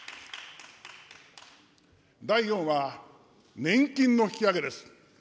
第４は、年金の引き上げです。